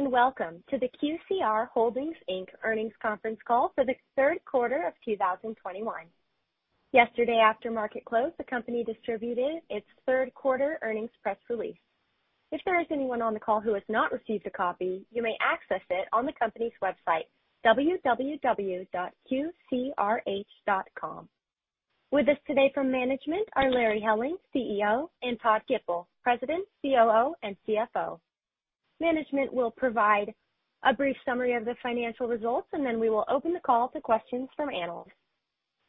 Greetings, and welcome to the QCR Holdings, Inc. earnings conference call for the Q3 of 2021. Yesterday, after market close, the company distributed its Q3 earnings press release. If there is anyone on the call who has not received a copy, you may access it on the company's website, www.qcrh.com. With us today from management are Larry Helling, CEO, and Todd Gipple, President, COO, and CFO. Management will provide a brief summary of the financial results, and then we will open the call to questions from analysts.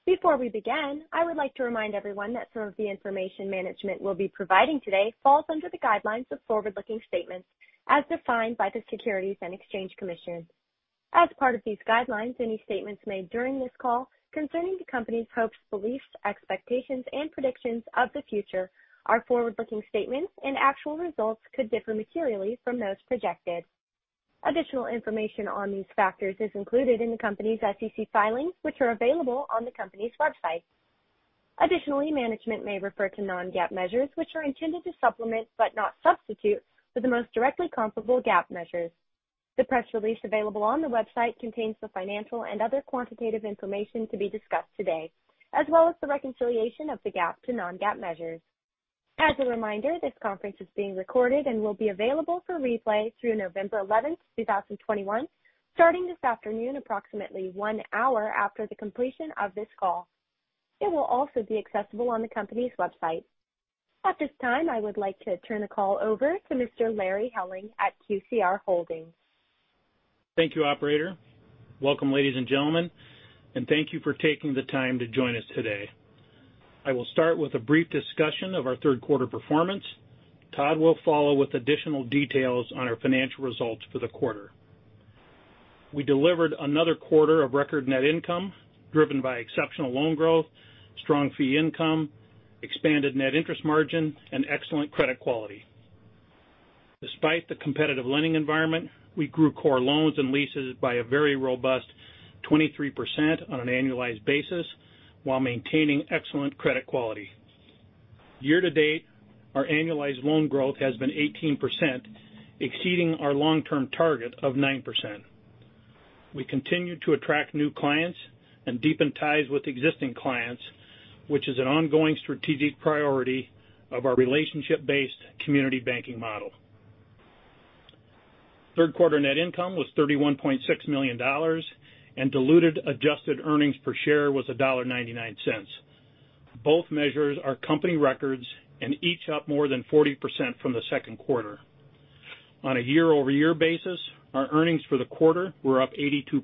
Before we begin, I would like to remind everyone that some of the information management will be providing today falls under the guidelines of forward-looking statements as defined by the Securities and Exchange Commission. As part of these guidelines, any statements made during this call concerning the company's hopes, beliefs, expectations, and predictions of the future are forward-looking statements, and actual results could differ materially from those projected. Additional information on these factors is included in the company's SEC filings, which are available on the company's website. Additionally, management may refer to non-GAAP measures, which are intended to supplement, but not substitute, for the most directly comparable GAAP measures. The press release available on the website contains the financial and other quantitative information to be discussed today, as well as the reconciliation of the GAAP to non-GAAP measures. As a reminder, this conference is being recorded and will be available for replay through November 11, 2021, starting this afternoon, approximately one hour after the completion of this call. It will also be accessible on the company's website. At this time, I would like to turn the call over to Mr. Larry Helling at QCR Holdings. Thank you, operator. Welcome, ladies and gentlemen, and thank you for taking the time to join us today. I will start with a brief discussion of our Q3 performance. Todd will follow with additional details on our financial results for the quarter. We delivered another quarter of record net income driven by exceptional loan growth, strong fee income, expanded net interest margin, and excellent credit quality. Despite the competitive lending environment, we grew core loans and leases by a very robust 23% on an annualized basis while maintaining excellent credit quality. Year to date, our annualized loan growth has been 18%, exceeding our long-term target of 9%. We continue to attract new clients and deepen ties with existing clients, which is an ongoing strategic priority of our relationship-based community banking model. Q3 net income was $31.6 million, and diluted adjusted earnings per share was $1.99. Both measures are company records and each up more than 40% from the Q2. On a year-over-year basis, our earnings for the quarter were up 82%.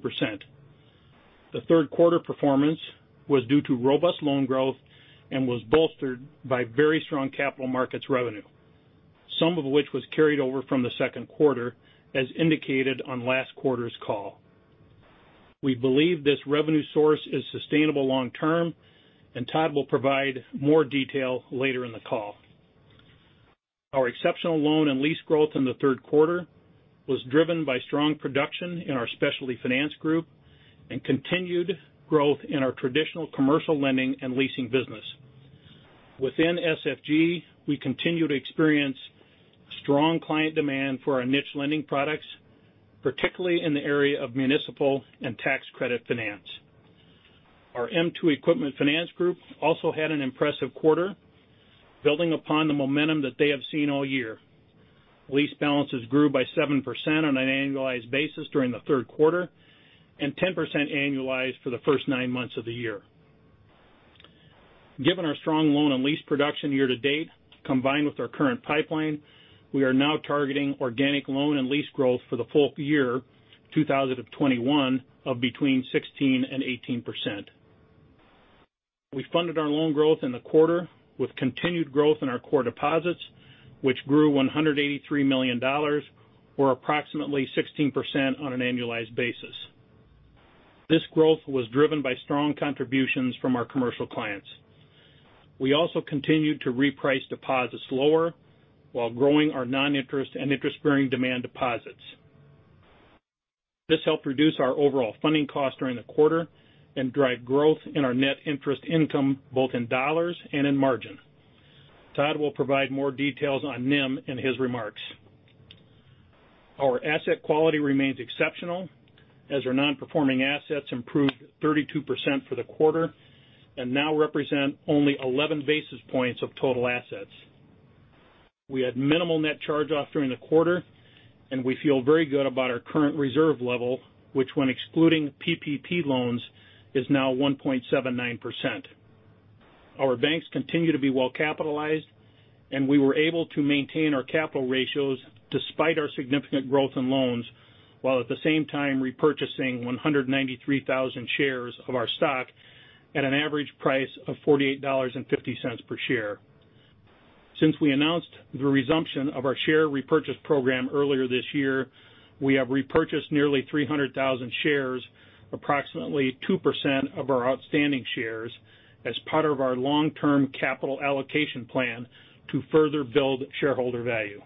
The Q3 performance was due to robust loan growth and was bolstered by very strong Capital Markets revenue, some of which was carried over from the Q2 as indicated on last quarter's call. We believe this revenue source is sustainable long term, and Todd will provide more detail later in the call. Our exceptional loan and lease growth in the Q3 was driven by strong production in our Specialty Finance Group and continued growth in our traditional commercial lending and leasing business. Within SFG, we continue to experience strong client demand for our niche lending products, particularly in the area of municipal and tax credit finance. Our m2 Equipment Finance group also had an impressive quarter, building upon the momentum that they have seen all year. Lease balances grew by 7% on an annualized basis during the Q3 and 10% annualized for the first nine months of the year. Given our strong loan and lease production year to date, combined with our current pipeline, we are now targeting organic loan and lease growth for the full year 2021 of between 16% and 18%. We funded our loan growth in the quarter with continued growth in our core deposits, which grew $183 million or approximately 16% on an annualized basis. This growth was driven by strong contributions from our commercial clients. We also continued to reprice deposits lower while growing our noninterest-bearing and interest-bearing demand deposits. This helped reduce our overall funding cost during the quarter and drive growth in our net interest income, both in dollars and in margin. Todd will provide more details on NIM in his remarks. Our asset quality remains exceptional as our non-performing assets improved 32% for the quarter and now represent only 11 basis points of total assets. We had minimal net charge-off during the quarter, and we feel very good about our current reserve level, which when excluding PPP loans, is now 1.79%. Our banks continue to be well capitalized, and we were able to maintain our capital ratios despite our significant growth in loans, while at the same time repurchasing 193,000 shares of our stock at an average price of $48.50 per share. Since we announced the resumption of our share repurchase program earlier this year, we have repurchased nearly 300,000 shares, approximately 2% of our outstanding shares as part of our long-term capital allocation plan to further build shareholder value.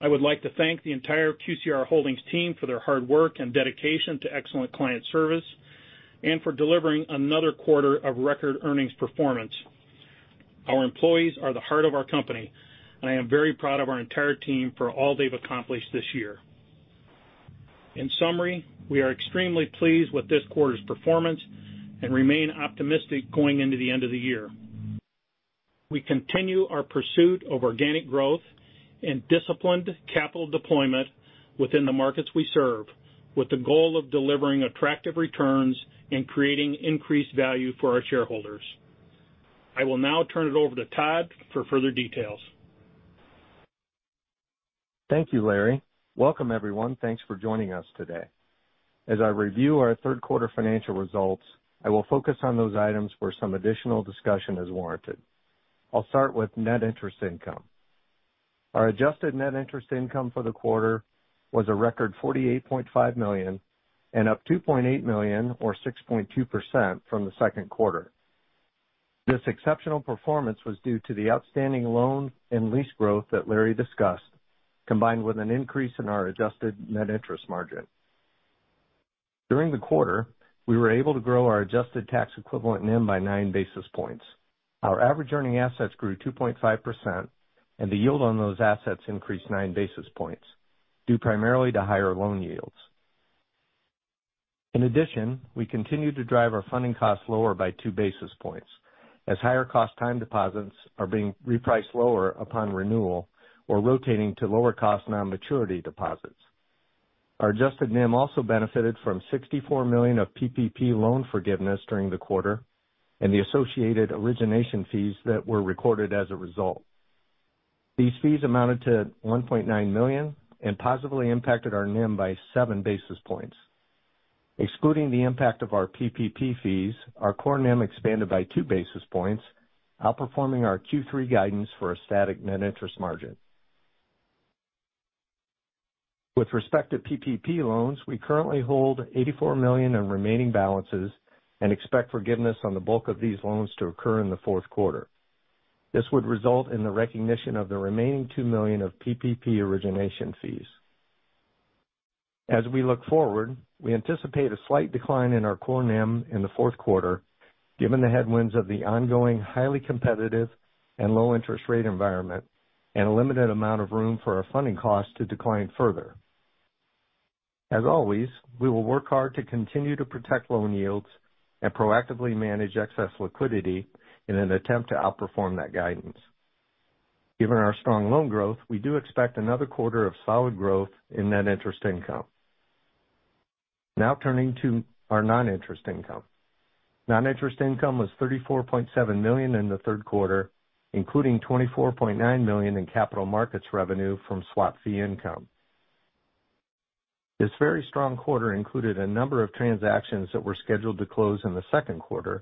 I would like to thank the entire QCR Holdings team for their hard work and dedication to excellent client service and for delivering another quarter of record earnings performance. Our employees are the heart of our company, and I am very proud of our entire team for all they've accomplished this year. In summary, we are extremely pleased with this quarter's performance and remain optimistic going into the end of the year. We continue our pursuit of organic growth and disciplined capital deployment within the markets we serve, with the goal of delivering attractive returns and creating increased value for our shareholders. I will now turn it over to Todd for further details. Thank you, Larry. Welcome, everyone. Thanks for joining us today. As I review our Q3 financial results, I will focus on those items where some additional discussion is warranted. I'll start with net interest income. Our adjusted net interest income for the quarter was a record $48.5 million and up $2.8 million, or 6.2% from the Q2. This exceptional performance was due to the outstanding loan and lease growth that Larry discussed, combined with an increase in our adjusted net interest margin. During the quarter, we were able to grow our adjusted tax equivalent NIM by 9 basis points. Our average earning assets grew 2.5%, and the yield on those assets increased 9 basis points, due primarily to higher loan yields. In addition, we continued to drive our funding costs lower by 2 basis points as higher cost time deposits are being repriced lower upon renewal or rotating to lower cost non-maturity deposits. Our adjusted NIM also benefited from $64 million of PPP loan forgiveness during the quarter and the associated origination fees that were recorded as a result. These fees amounted to $1.9 million and positively impacted our NIM by 7 basis points. Excluding the impact of our PPP fees, our core NIM expanded by 2 basis points, outperforming our Q3 guidance for a static net interest margin. With respect to PPP loans, we currently hold $84 million in remaining balances and expect forgiveness on the bulk of these loans to occur in the Q4. This would result in the recognition of the remaining $2 million of PPP origination fees. As we look forward, we anticipate a slight decline in our core NIM in the Q4, given the headwinds of the ongoing, highly competitive and low interest rate environment and a limited amount of room for our funding cost to decline further. As always, we will work hard to continue to protect loan yields and proactively manage excess liquidity in an attempt to outperform that guidance. Given our strong loan growth, we do expect another quarter of solid growth in net interest income. Now turning to our non-interest income. Non-interest income was $34.7 million in the Q3, including $24.9 million in Capital Markets revenue from swap fee income. This very strong quarter included a number of transactions that were scheduled to close in the Q2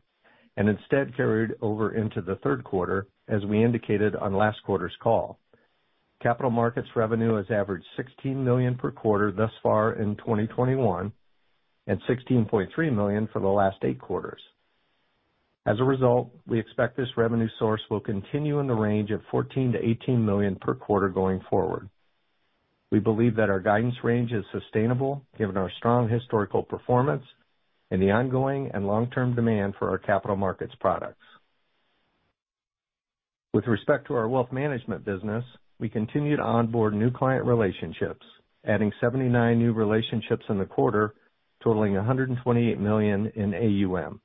and instead carried over into the Q3 as we indicated on last quarter's call. Capital markets revenue has averaged $16 million per quarter thus far in 2021 and $16.3 million for the last eight quarters. As a result, we expect this revenue source will continue in the range of $14 million-$18 million per quarter going forward. We believe that our guidance range is sustainable given our strong historical performance and the ongoing and long-term demand for our capital markets products. With respect to our wealth management business, we continued to onboard new client relationships, adding 79 new relationships in the quarter, totaling $128 million in AUM.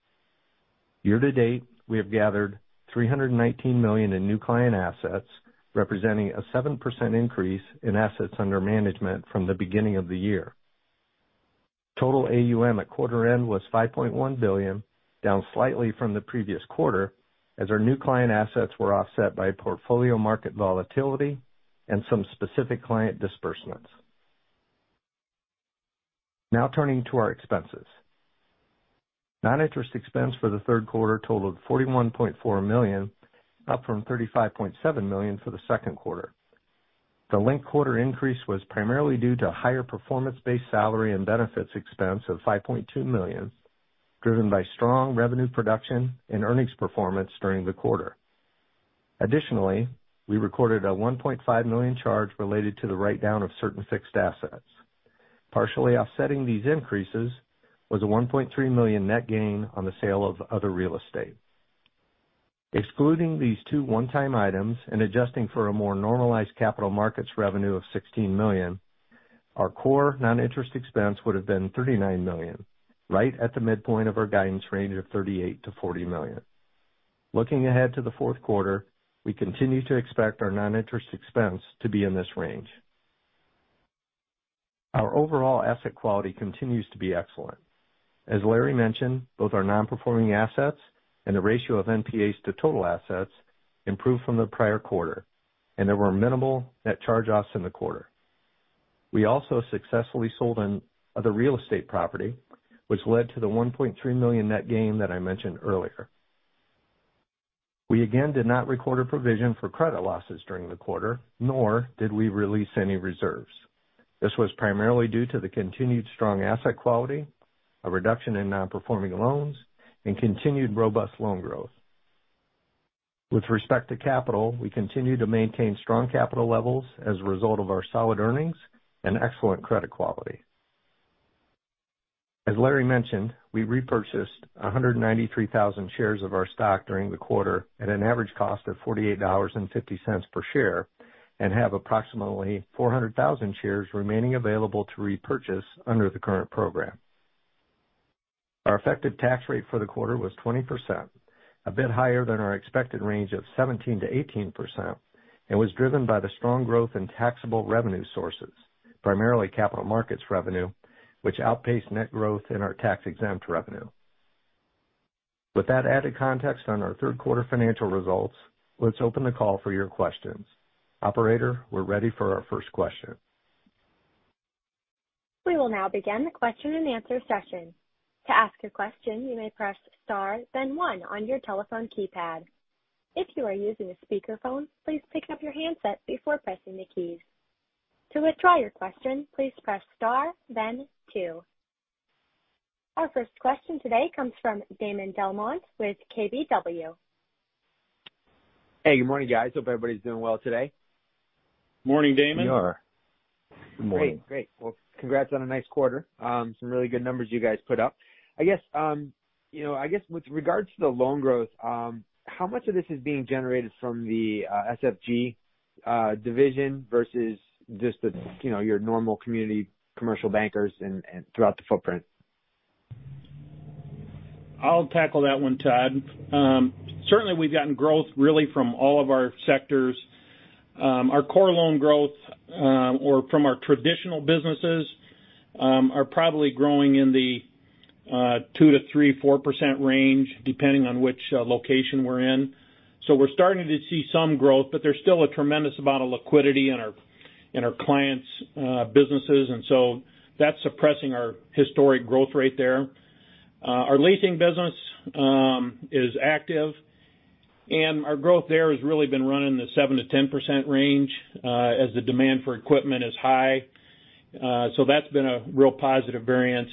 Year to date, we have gathered $319 million in new client assets, representing a 7% increase in assets under management from the beginning of the year. Total AUM at quarter end was $5.1 billion, down slightly from the previous quarter as our new client assets were offset by portfolio market volatility and some specific client disbursements. Now turning to our expenses. Non-interest expense for the Q3 totaled $41.4 million, up from $35.7 million for the Q2. The linked-quarter increase was primarily due to higher performance-based salary and benefits expense of $5.2 million, driven by strong revenue production and earnings performance during the quarter. Additionally, we recorded a $1.5 million charge related to the write-down of certain fixed assets. Partially offsetting these increases was a $1.3 million net gain on the sale of other real estate. Excluding these two one-time items and adjusting for a more normalized Capital Markets revenue of $16 million, our core non-interest expense would have been $39 million, right at the midpoint of our guidance range of $38 million-$40 million. Looking ahead to the Q4, we continue to expect our non-interest expense to be in this range. Our overall asset quality continues to be excellent. As Larry mentioned, both our non-performing assets and the ratio of NPAs to total assets improved from the prior quarter, and there were minimal net charge-offs in the quarter. We also successfully sold an other real estate property, which led to the $1.3 million net gain that I mentioned earlier. We again did not record a provision for credit losses during the quarter, nor did we release any reserves. This was primarily due to the continued strong asset quality, a reduction in non-performing loans, and continued robust loan growth. With respect to capital, we continue to maintain strong capital levels as a result of our solid earnings and excellent credit quality. As Larry mentioned, we repurchased 193,000 shares of our stock during the quarter at an average cost of $48.50 per share, and have approximately 400,000 shares remaining available to repurchase under the current program. Our effective tax rate for the quarter was 20%, a bit higher than our expected range of 17%-18%, and was driven by the strong growth in taxable revenue sources, primarily Capital Markets revenue, which outpaced net growth in our tax-exempt revenue. With that added context on our Q3 financial results, let's open the call for your questions. Operator, we're ready for our first question. We will now begin the question and answer session. To ask a question, you may press star then one on your telephone keypad. If you are using a speakerphone, please pick up your handset before pressing the keys. To withdraw your question, please press star then two. Our first question today comes from Damon DelMonte with KBW. Hey, good morning, guys. Hope everybody's doing well today. Morning, Damon. We are. Good morning. Great. Well, congrats on a nice quarter. Some really good numbers you guys put up. I guess, you know, I guess with regards to the loan growth, how much of this is being generated from the, SFG, division versus just the, you know, your normal community commercial bankers and throughout the footprint? I'll tackle that one, Todd. Certainly we've gotten growth really from all of our sectors. Our core loan growth, or from our traditional businesses, are probably growing in the 2 to 3, 4% range depending on which location we're in. We're starting to see some growth, but there's still a tremendous amount of liquidity in our clients' businesses, and so that's suppressing our historic growth rate there. Our leasing business is active and our growth there has really been running in the 7-10% range as the demand for equipment is high. That's been a real positive variance.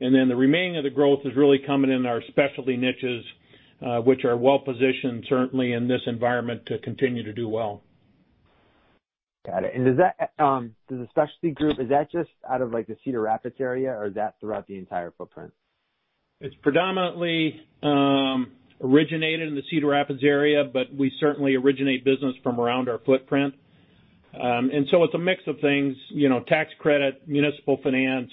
Then the remaining of the growth is really coming in our specialty niches, which are well positioned certainly in this environment to continue to do well. Got it. Is that, does the specialty group, is that just out of, like, the Cedar Rapids area or is that throughout the entire footprint? It's predominantly originated in the Cedar Rapids area, but we certainly originate business from around our footprint. It's a mix of things, you know, tax credit, municipal finance,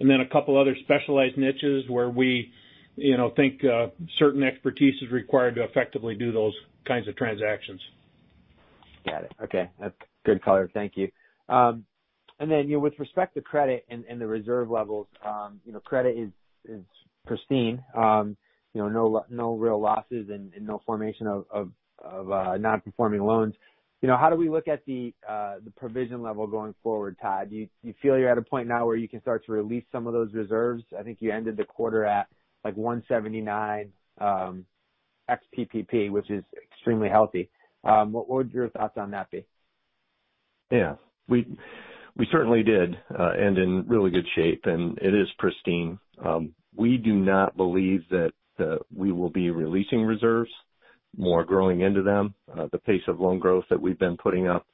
and then a couple other specialized niches where we, you know, think certain expertise is required to effectively do those kinds of transactions. Got it. Okay. That's good color. Thank you. And then, you know, with respect to credit and the reserve levels, you know, credit is pristine. You know, no real losses and no formation of non-performing loans. You know, how do we look at the provision level going forward, Todd? Do you feel you're at a point now where you can start to release some of those reserves? I think you ended the quarter at like 179 ex PPP, which is extremely healthy. What would your thoughts on that be? Yeah. We certainly did end in really good shape, and it is pristine. We do not believe that we will be releasing reserves anymore, growing into them at the pace of loan growth that we've been putting up.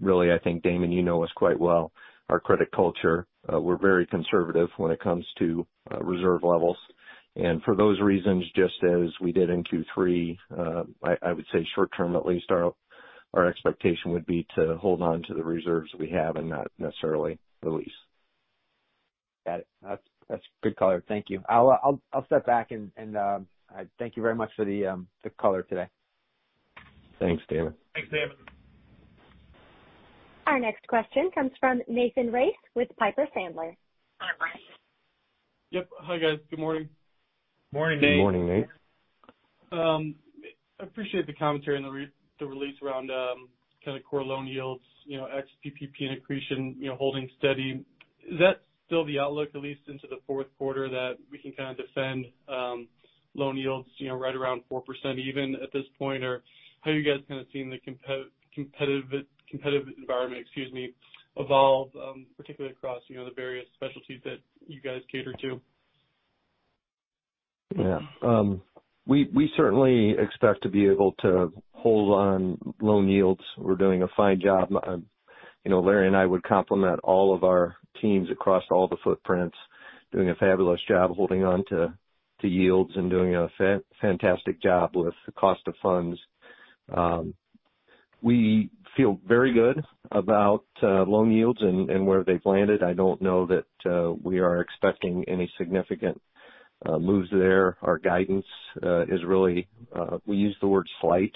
Really, I think, Damon, you know us quite well. Our credit culture, we're very conservative when it comes to reserve levels. For those reasons, just as we did in Q3, I would say short term at least, our expectation would be to hold on to the reserves we have and not necessarily release. Got it. That's good color. Thank you. I'll step back and I thank you very much for the color today. Thanks, Damon. Thanks, Damon. Our next question comes from Nathan Race with Piper Sandler. Hi, Race. Yep. Hi, guys. Good morning. Morning, Race. Good morning, Race. I appreciate the commentary on the release around kind of core loan yields, you know, ex PPP and accretion, you know, holding steady. Is that still the outlook at least into the Q4 that we can kind of defend loan yields, you know, right around 4% even at this point? Or how are you guys kinda seeing the competitive environment, excuse me, evolve particularly across, you know, the various specialties that you guys cater to? Yeah. We certainly expect to be able to hold on loan yields. We're doing a fine job. You know, Larry and I would compliment all of our teams across all the footprints doing a fabulous job holding on to yields and doing a fantastic job with the cost of funds. We feel very good about loan yields and where they've landed. I don't know that we are expecting any significant moves there. Our guidance is really, we use the word slight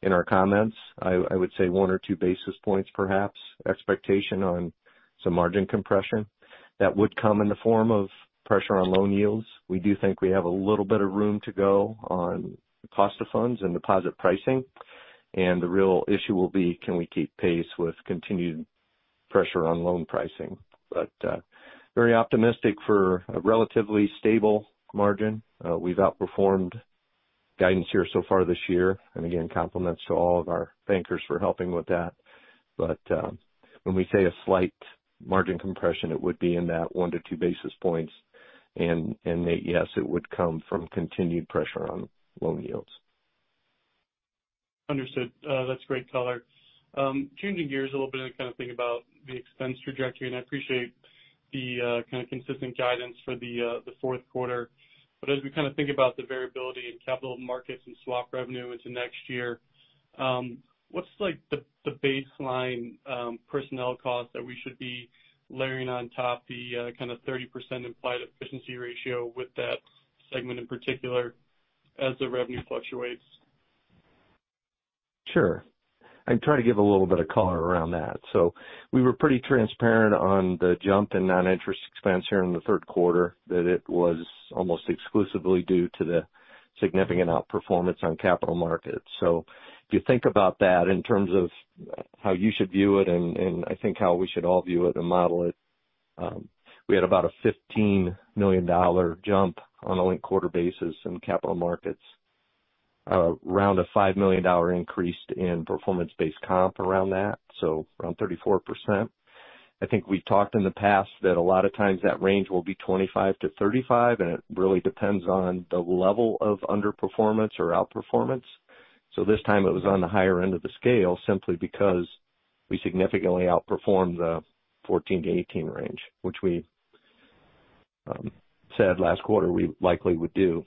in our comments. I would say 1 or 2 basis points perhaps expectation on some margin compression that would come in the form of pressure on loan yields. We do think we have a little bit of room to go on cost of funds and deposit pricing. The real issue will be can we keep pace with continued pressure on loan pricing. Very optimistic for a relatively stable margin. We've outperformed guidance here so far this year. Again, compliments to all of our bankers for helping with that. When we say a slight margin compression, it would be in that 1-2 basis points. Nate, yes, it would come from continued pressure on loan yields. Understood. That's great color. Changing gears a little bit and kind of think about the expense trajectory, and I appreciate the kind of consistent guidance for the Q4. As we kind of think about the variability in Capital Markets and swap revenue into next year, what's like the baseline personnel cost that we should be layering on top the kind of 30% implied efficiency ratio with that segment in particular as the revenue fluctuates? Sure. I can try to give a little bit of color around that. We were pretty transparent on the jump in non-interest expense here in the Q3, that it was almost exclusively due to the significant outperformance on Capital Markets. If you think about that in terms of how you should view it and I think how we should all view it and model it, we had about a $15 million jump on a linked quarter basis in Capital Markets. Around a $5 million increase in performance-based comp around that, so around 34%. I think we've talked in the past that a lot of times that range will be 25%-35%, and it really depends on the level of underperformance or outperformance. This time it was on the higher end of the scale simply because we significantly outperformed the $14 million-$18 million range, which we said last quarter we likely would do.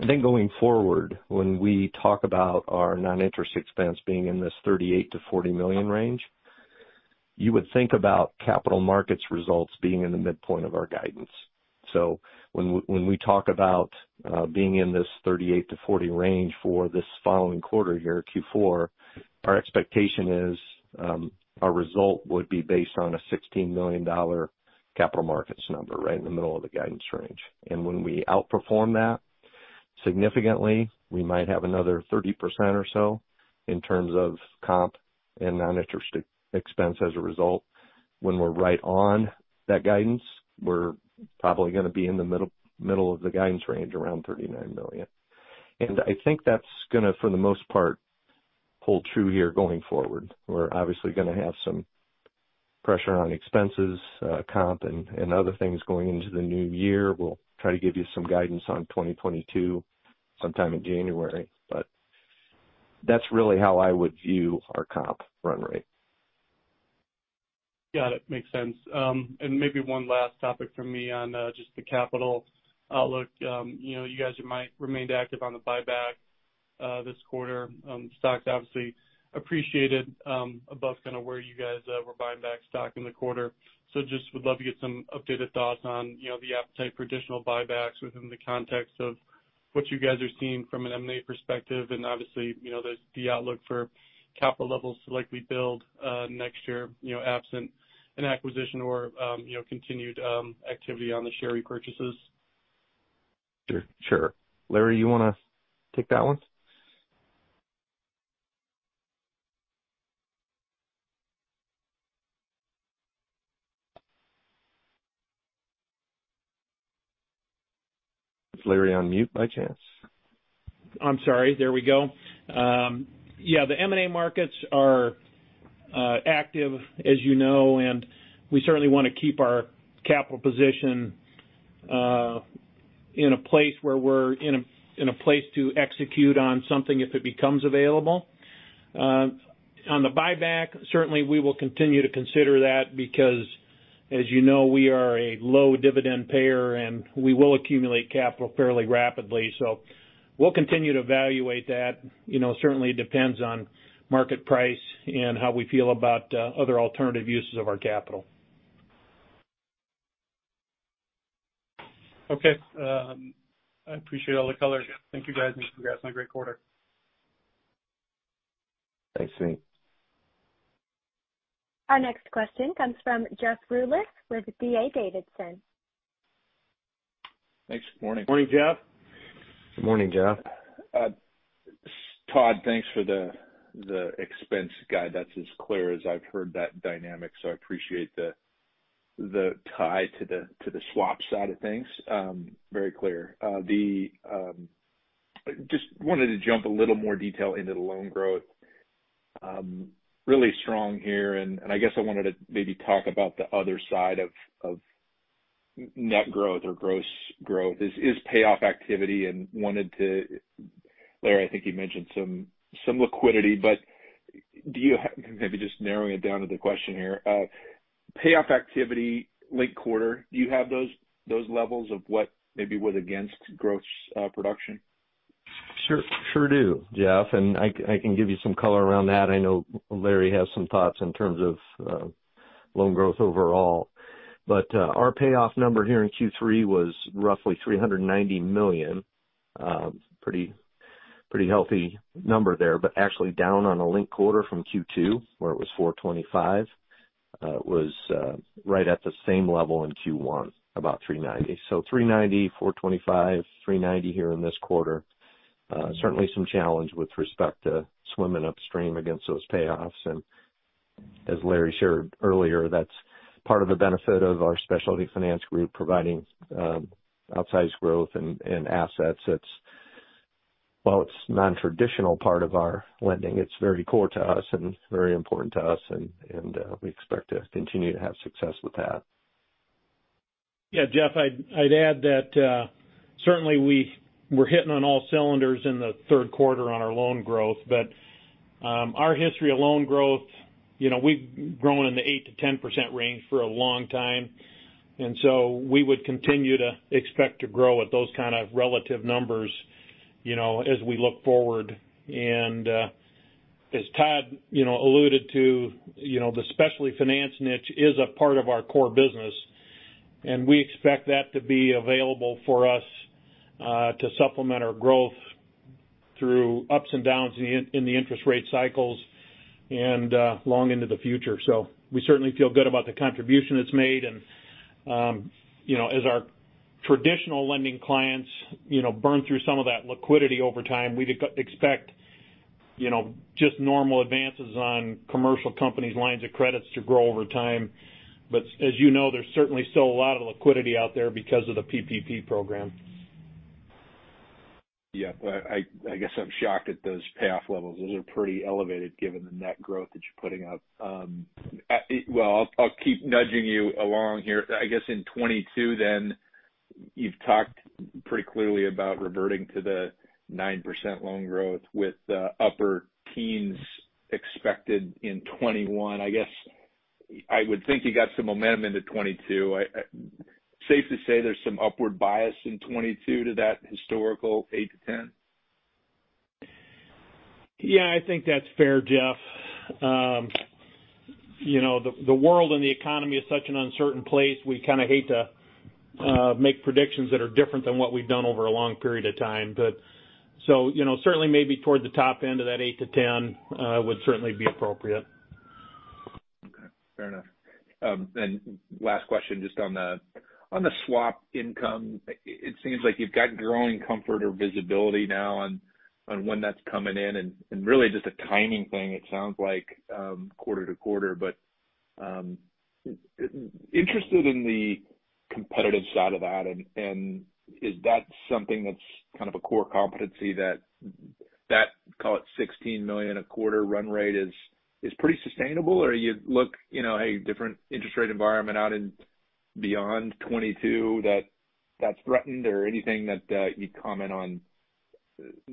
Then going forward, when we talk about our non-interest expense being in this $38 million-$40 million range, you would think about Capital Markets results being in the midpoint of our guidance. When we talk about being in this $38 million-$40 million range for this following quarter here, Q4, our expectation is our result would be based on a $16 million Capital Markets number, right in the middle of the guidance range. When we outperform that significantly, we might have another 30% or so in terms of comp and non-interest expense as a result. When we're right on that guidance, we're probably gonna be in the middle of the guidance range, around $39 million. I think that's gonna, for the most part, hold true here going forward. We're obviously gonna have some pressure on expenses, comp and other things going into the new year. We'll try to give you some guidance on 2022 sometime in January. That's really how I would view our comp run rate. Got it. Makes sense. Maybe one last topic from me on just the capital outlook. You know, you guys remained active on the buyback this quarter. Stocks obviously appreciated above kind of where you guys were buying back stock in the quarter. Just would love to get some updated thoughts on, you know, the appetite for additional buybacks within the context of what you guys are seeing from an M&A perspective. Obviously, you know, the outlook for capital levels to likely build next year, you know, absent an acquisition or, you know, continued activity on the share repurchases. Sure, sure. Larry, you wanna take that one? Is Larry on mute by chance? I'm sorry, there we go. Yeah, the M&A markets are active, as you know, and we certainly wanna keep our capital position in a place to execute on something if it becomes available. On the buyback, certainly we will continue to consider that because, as you know, we are a low dividend payer, and we will accumulate capital fairly rapidly. We'll continue to evaluate that. You know, it certainly depends on market price and how we feel about other alternative uses of our capital. Okay. I appreciate all the color. Thank you guys, and congrats on a great quarter. Thanks, Race. Our next question comes from Jeff Rulis with D.A. Davidson. Thanks. Good morning. Morning, Jeff. Good morning, Jeff. Todd, thanks for the expense guide. That's as clear as I've heard that dynamic, so I appreciate the tie to the swap side of things. Very clear. Just wanted to jump a little more detail into the loan growth. Really strong here, and I guess I wanted to maybe talk about the other side of net growth or gross growth, payoff activity. Larry, I think you mentioned some liquidity, but maybe just narrowing it down to the question here. Payoff activity late quarter, do you have those levels of what maybe went against gross production? Sure do, Jeff, and I can give you some color around that. I know Larry has some thoughts in terms of loan growth overall. Our payoff number here in Q3 was roughly $390 million. Pretty healthy number there, but actually down on a linked quarter from Q2, where it was $425 million. It was right at the same level in Q1, about $390 million. $390, $425, $390 here in this quarter. Certainly some challenge with respect to swimming upstream against those payoffs. As Larry shared earlier, that's part of the benefit of our Specialty Finance Group providing outsized growth and assets. While it's nontraditional part of our lending, it's very core to us and very important to us and we expect to continue to have success with that. Yeah, Jeff, I'd add that certainly we're hitting on all cylinders in the Q3 on our loan growth. Our history of loan growth, you know, we've grown in the 8%-10% range for a long time. We would continue to expect to grow at those kind of relative numbers, you know, as we look forward. As Todd, you know, alluded to, you know, the Specialty Finance niche is a part of our core business, and we expect that to be available for us to supplement our growth through ups and downs in the interest rate cycles and long into the future. We certainly feel good about the contribution it's made. You know, as our traditional lending clients, you know, burn through some of that liquidity over time, we'd expect, you know, just normal advances on commercial companies lines of credit to grow over time. As you know, there's certainly still a lot of liquidity out there because of the PPP program. Yeah. I guess I'm shocked at those PAF levels. Those are pretty elevated given the net growth that you're putting up. Well, I'll keep nudging you along here. I guess in 2022 then, you've talked pretty clearly about reverting to the 9% loan growth with upper teens% expected in 2021. I guess I would think you got some momentum into 2022. Safe to say there's some upward bias in 2022 to that historical 8%-10%? Yeah, I think that's fair, Jeff. You know, the world and the economy is such an uncertain place. We kind of hate to make predictions that are different than what we've done over a long period of time. You know, certainly maybe toward the top end of that 8-10 would certainly be appropriate. Okay. Fair enough. Last question just on the swap income. It seems like you've got growing comfort or visibility now on when that's coming in and really just a timing thing, it sounds like, quarter to quarter. Interested in the competitive side of that, and is that something that's kind of a core competency that call it $16 million a quarter run rate is pretty sustainable? You look, you know, a different interest rate environment out in beyond 2022 that's threatened or anything that you'd comment on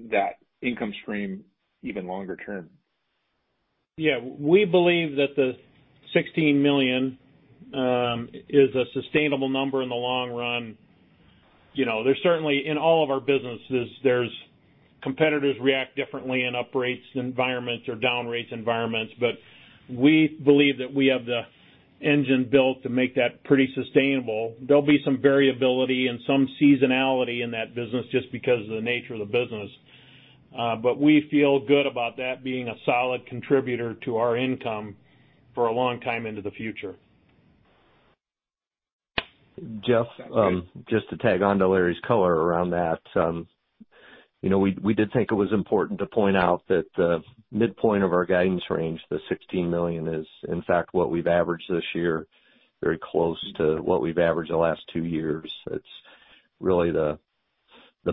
that income stream even longer term? Yeah. We believe that the $16 million is a sustainable number in the long run. You know, there's certainly, in all of our businesses, competitors react differently in up rates environments or down rates environments, but we believe that we have the engine built to make that pretty sustainable. There'll be some variability and some seasonality in that business just because of the nature of the business. We feel good about that being a solid contributor to our income for a long time into the future. Jeff, just to tag on to Larry's color around that. You know, we did think it was important to point out that the midpoint of our guidance range, the $16 million is, in fact, what we've averaged this year, very close to what we've averaged the last two years. It's really the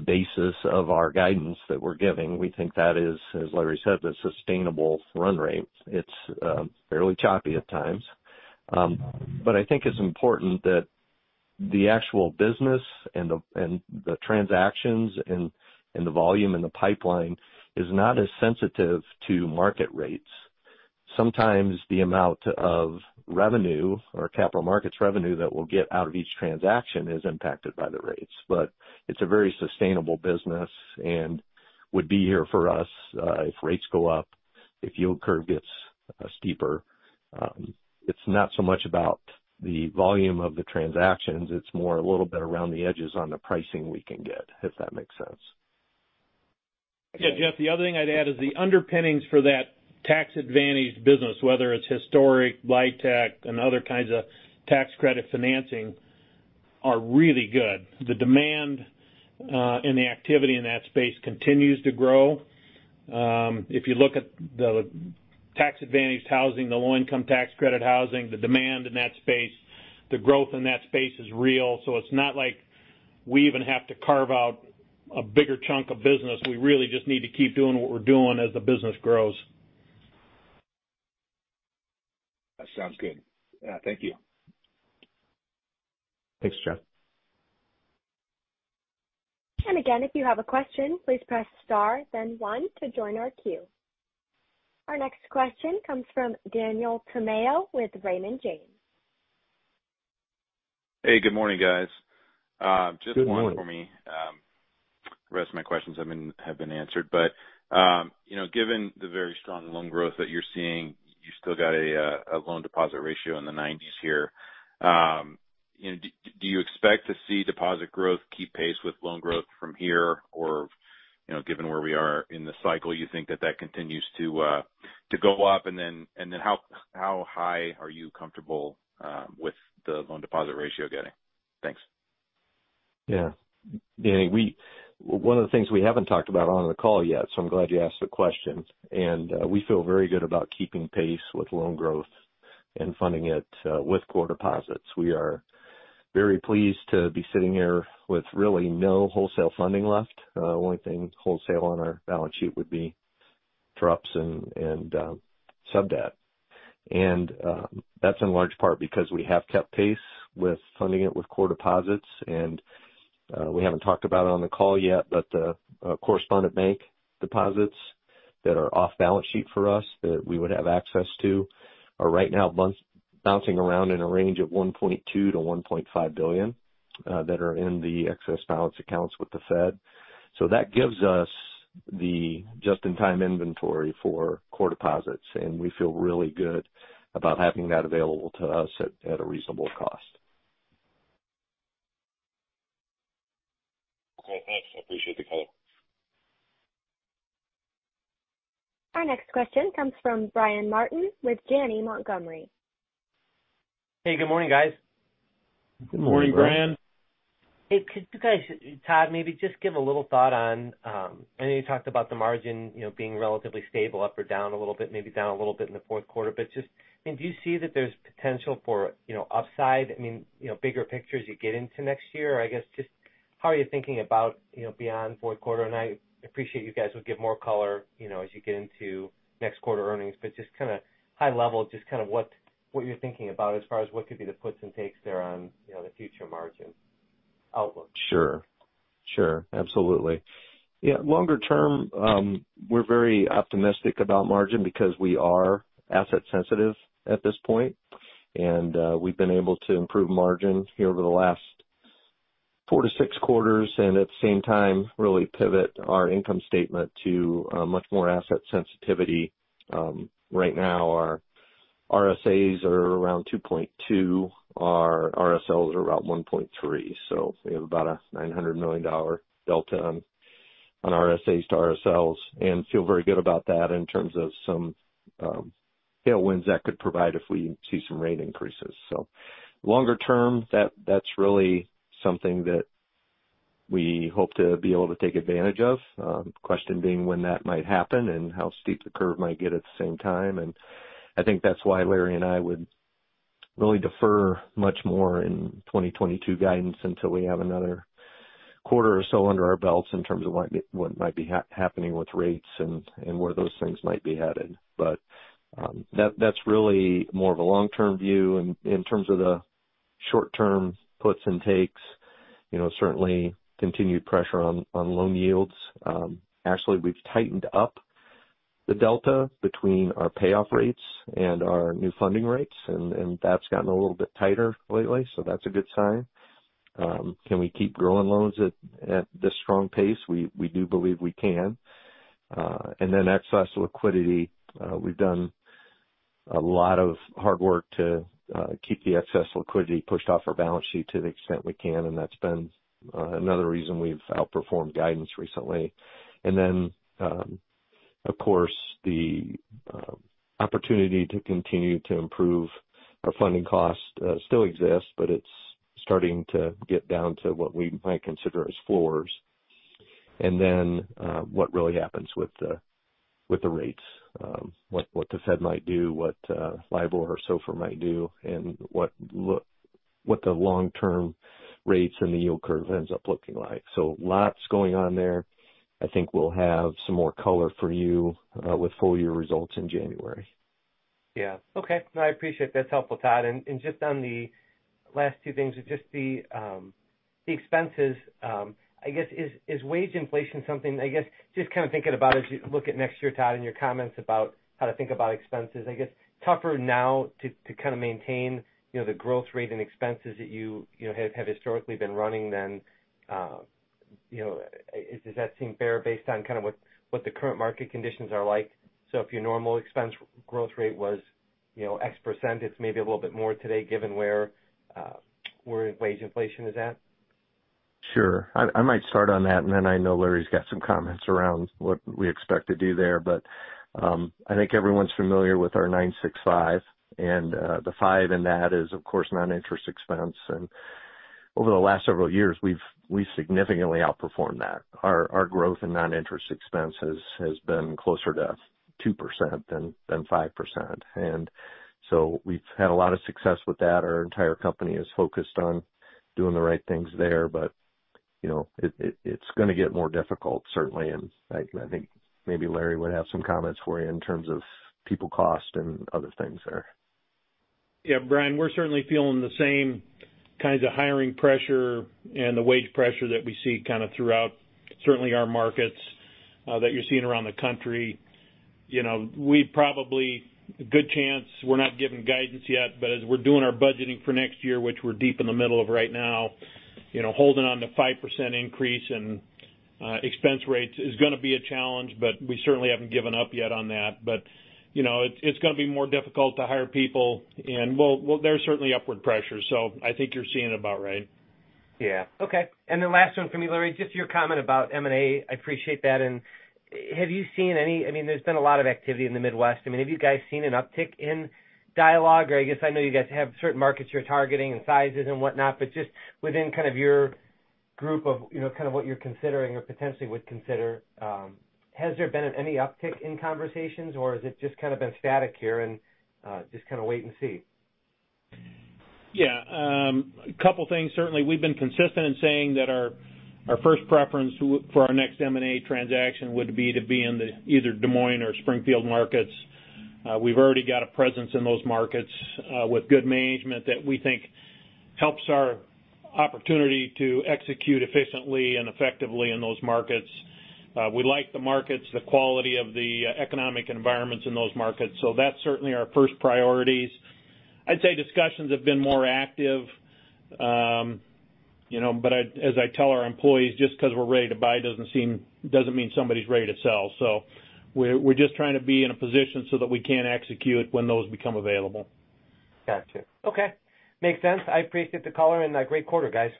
basis of our guidance that we're giving. We think that is, as Larry said, the sustainable run rate. It's fairly choppy at times. But I think it's important that the actual business and the transactions and the volume in the pipeline is not as sensitive to market rates. Sometimes the amount of revenue or Capital Markets revenue that we'll get out of each transaction is impacted by the rates. It's a very sustainable business and would be here for us, if rates go up, if yield curve gets steeper. It's not so much about the volume of the transactions, it's more a little bit around the edges on the pricing we can get, if that makes sense. Yeah. Jeff, the other thing I'd add is the underpinnings for that tax-advantaged business, whether it's historic, LIHTC and other kinds of tax credit financing, are really good. The demand and the activity in that space continues to grow. If you look at the tax-advantaged housing, the low-income tax credit housing, the demand in that space, the growth in that space is real. So it's not like we even have to carve out a bigger chunk of business. We really just need to keep doing what we're doing as the business grows. That sounds good. Thank you. Thanks, Jeff. Again, if you have a question, please press star then one to join our queue. Our next question comes from Daniel Tamayo with Raymond James. Hey, good morning, guys. Good morning. Just one for me. The rest of my questions have been answered. You know, given the very strong loan growth that you're seeing, you still got a loan deposit ratio in the nineties here. Do you expect to see deposit growth keep pace with loan growth from here? Or, you know, given where we are in the cycle, you think that continues to go up? And then how high are you comfortable with the loan deposit ratio getting? Thanks. Yeah. Danny, one of the things we haven't talked about on the call yet, so I'm glad you asked the question. We feel very good about keeping pace with loan growth and funding it with core deposits. We are very pleased to be sitting here with really no wholesale funding left. Only thing wholesale on our balance sheet would be Drops and sub debt. That's in large part because we have kept pace with funding it with core deposits. We haven't talked about it on the call yet, but the correspondent bank deposits that are off balance sheet for us that we would have access to are right now bouncing around in a range of $1.2 billion-$1.5 billion that are in the excess balance accounts with the Fed. That gives us the just-in-time inventory for core deposits, and we feel really good about having that available to us at a reasonable cost. Okay, thanks. I appreciate the call. Our next question comes from Brian Martin with Janney Montgomery Scott. Hey, good morning, guys. Good morning, Brian. Good morning, Brian. Hey, could you guys, Todd, maybe just give a little thought on, I know you talked about the margin, you know, being relatively stable up or down a little bit, maybe down a little bit in the Q4. Just, I mean, do you see that there's potential for, you know, upside, I mean, you know, bigger picture as you get into next year? I guess just how are you thinking about, you know, beyond Q4? I appreciate you guys will give more color, you know, as you get into next quarter earnings, but just kinda high level, just kind of what you're thinking about as far as what could be the puts and takes there on, you know, the future margin outlook. Sure. Absolutely. Yeah, longer term, we're very optimistic about margin because we are asset sensitive at this point. We've been able to improve margin here over the last 4-6 quarters, and at the same time, really pivot our income statement to much more asset sensitivity. Right now our RSAs are around 2.2, our RSLs are about 1.3. We have about a $900 million delta on RSAs to RSLs and feel very good about that in terms of some tailwinds that could provide if we see some rate increases. Longer term, that's really something that we hope to be able to take advantage of. Question being when that might happen and how steep the curve might get at the same time. I think that's why Larry and I would really defer much more in 2022 guidance until we have another quarter or so under our belts in terms of what might be happening with rates and where those things might be headed. That's really more of a long-term view. In terms of the short-term puts and takes, you know, certainly continued pressure on loan yields. Actually, we've tightened up the delta between our payoff rates and our new funding rates and that's gotten a little bit tighter lately, so that's a good sign. Can we keep growing loans at this strong pace? We do believe we can. Excess liquidity, we've done a lot of hard work to keep the excess liquidity pushed off our balance sheet to the extent we can, and that's been another reason we've outperformed guidance recently. Of course, the opportunity to continue to improve our funding cost still exists, but it's starting to get down to what we might consider as floors. What really happens with the rates, what the Fed might do, what LIBOR or SOFR might do, and what the long-term rates and the yield curve ends up looking like. Lots going on there. I think we'll have some more color for you with full year results in January. Yeah. Okay. No, I appreciate it. That's helpful, Todd. Just on the last two things, just the expenses, I guess, is wage inflation something I guess just kind of thinking about as you look at next year, Todd, in your comments about how to think about expenses. I guess tougher now to kind of maintain, you know, the growth rate in expenses that you know, have historically been running than, you know. Does that seem fair based on kind of what the current market conditions are like? If your normal expense growth rate was, you know, X%, it's maybe a little bit more today given where wage inflation is at. Sure. I might start on that, and then I know Larry's got some comments around what we expect to do there. I think everyone's familiar with our 9-6-5, and the five in that is, of course, non-interest expense. Over the last several years, we've significantly outperformed that. Our growth in non-interest expense has been closer to 2% than 5%. We've had a lot of success with that. Our entire company is focused on doing the right things there. You know, it's gonna get more difficult certainly. I think maybe Larry would have some comments for you in terms of people cost and other things there. Yeah, Brian, we're certainly feeling the same kinds of hiring pressure and the wage pressure that we see kind of throughout, certainly our markets, that you're seeing around the country. You know, we probably have a good chance we're not giving guidance yet, but as we're doing our budgeting for next year, which we're deep in the middle of right now, you know, holding on to 5% increase in expense rates is gonna be a challenge, but we certainly haven't given up yet on that. You know, it's gonna be more difficult to hire people, and there's certainly upward pressure, so I think you're seeing it about right. Yeah. Okay. Last one for me, Larry, just your comment about M&A. I appreciate that. I mean, there's been a lot of activity in the Midwest. I mean, have you guys seen an uptick in dialogue? I guess I know you guys have certain markets you're targeting and sizes and whatnot, but just within kind of your group of, you know, kind of what you're considering or potentially would consider, has there been any uptick in conversations, or has it just kind of been static here and, just kinda wait and see? Yeah, a couple things. Certainly, we've been consistent in saying that our first preference for our next M&A transaction would be to be in the either Des Moines or Springfield markets. We've already got a presence in those markets, with good management that we think helps our opportunity to execute efficiently and effectively in those markets. We like the markets, the quality of the economic environments in those markets, so that's certainly our first priorities. I'd say discussions have been more active, you know, but as I tell our employees, just 'cause we're ready to buy doesn't mean somebody's ready to sell. We're just trying to be in a position so that we can execute when those become available. Gotcha. Okay. Makes sense. I appreciate the color and great quarter, guys.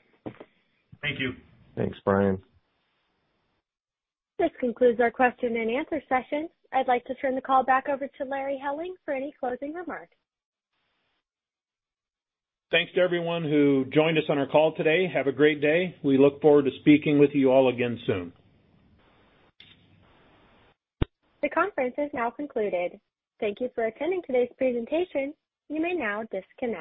Thank you. Thanks, Brian. This concludes our question and answer session. I'd like to turn the call back over to Larry Helling for any closing remarks. Thanks to everyone who joined us on our call today. Have a great day. We look forward to speaking with you all again soon. The conference is now concluded. Thank you for attending today's presentation. You may now disconnect.